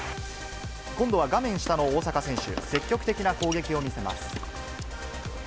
今度は画面下の大坂選手、積極的な攻撃を見せます。